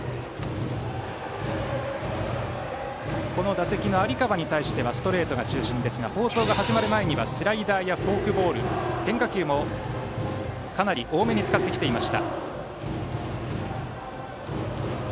打席の有川に対してはストレートが中心ですが放送が始まる前にはスライダーやフォークボール変化球もかなり多めに使ってきていました。